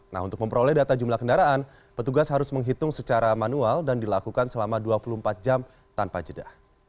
nah untuk memperoleh data jumlah kendaraan petugas harus menghitung secara manual dan dilakukan selama dua puluh empat jam tanpa jeda